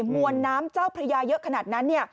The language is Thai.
มวลน้ำเจ้าพระยาเยอะขนาดนั้น